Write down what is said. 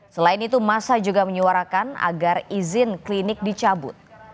selain itu masa juga menyuarakan agar izin klinik dicabut